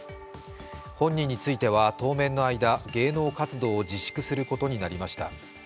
本人については当面の間、芸能活動を自粛することになりました。